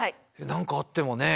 何かあってもね。